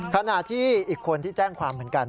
ขณะที่อีกคนที่แจ้งความเหมือนกัน